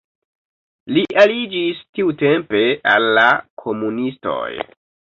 Li aliĝis tiutempe al la komunistoj.